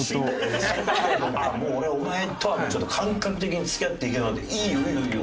あっもう俺お前とはちょっと感覚的に付き合っていけなくいいよいいよいいよ。